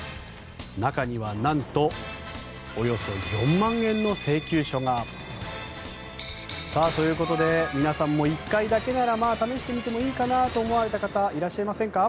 中にはなんとおよそ４万円の請求書が。ということで皆さんも１回だけなら試してもいいかなと思われた方いらっしゃいませんか？